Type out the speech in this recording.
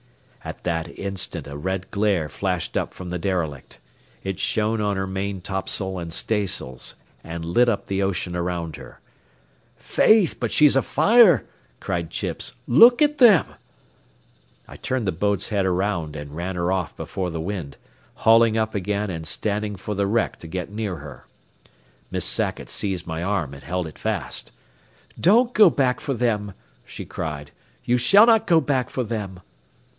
At that instant a red glare flashed up from the derelict. It shone on her maintopsail and staysails and lit up the ocean around her. "Faith, but she's afire," cried Chips. "Look at them." I turned the boat's head around and ran her off before the wind, hauling up again and standing for the wreck to get near her. Miss Sackett seized my arm and held it fast. "Don't go back for them!" she cried. "You shall not go back for them!"